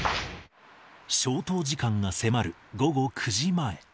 消灯時間が迫る午後９時前。